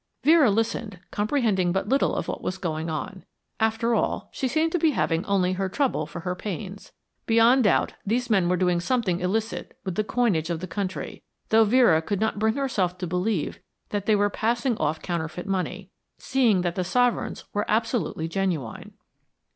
Vera listened, comprehending but little of what was going on. After all, she seemed to be having only her trouble for her pains. Beyond doubt these men were doing something illicit with the coinage of the country, though Vera could not bring herself to believe that they were passing off counterfeit money, seeing that the sovereigns were absolutely genuine.